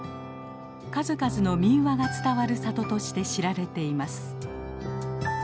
数々の民話が伝わる里として知られています。